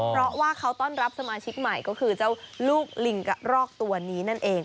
เพราะว่าเขาต้อนรับสมาชิกใหม่ก็คือเจ้าลูกลิงกระรอกตัวนี้นั่นเอง